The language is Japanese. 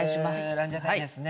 ランジャタイですね。